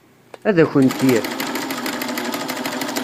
Ad akent-t-yefk?